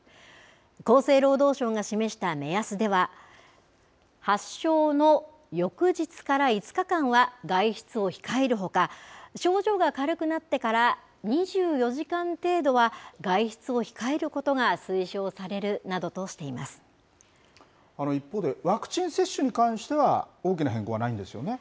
厚生労働省が示した目安では、発症の翌日から５日間は、外出を控えるほか、症状が軽くなってから２４時間程度は外出を控えることが推奨され一方で、ワクチン接種に関しては、大きな変更はないんですよね。